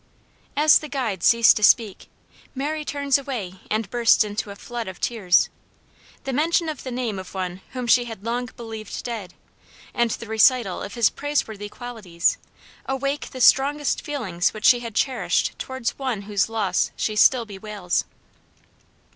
As the guide ceased to speak, Mary turns away and bursts into a flood of tears. The mention of the name of one whom she had long believed dead, and the recital of his praiseworthy qualities, awake the strongest feelings which she had cherished towards one whose loss she still bewails.